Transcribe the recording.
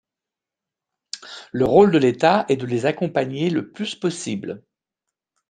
Le rôle de l’État est de les accompagner le plus possible.